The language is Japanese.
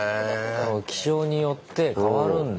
気象によって変わるんだ。